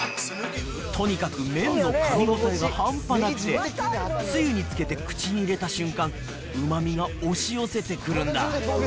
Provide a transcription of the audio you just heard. とにかく麺のかみ応えが半端なくて、つゆにつけて、口に入れた瞬間、うまみが押し寄せてくるんだ。